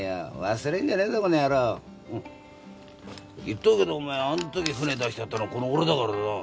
言っとくけどお前あんとき船出してやったのはこの俺だからな。